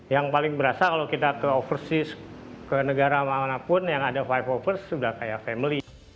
yang paling berasa kalau kita ke overseas ke negara mana pun yang ada five overs sudah kayak family